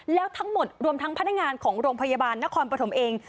แล้วทั้งหมดรวมทั้งพนักงานของโรงพยาบาลนครปฐมเอง